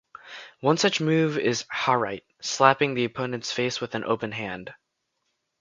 One such move is "harite" - slapping the opponent's face with an open hand.